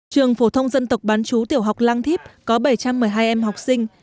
trường phổ thông dân tộc bán chú tiểu học lang thíp có bảy trăm một mươi hai em học sinh